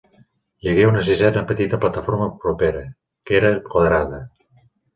Hi hagué una sisena petita plataforma propera, que era quadrada.